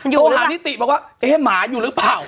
โทรหานิติบอกว่าเอ๊ะหมาอยู่หรือเปล่า